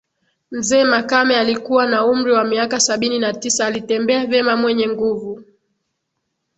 Mzee Makame alikuwa na umri wa miaka sabini na tisa alitembea vema mwenye nguvu